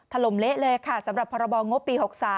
ลมเละเลยค่ะสำหรับพรบงบปี๖๓